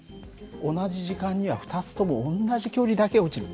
同じ時間には２つとも同じ距離だけ落ちる。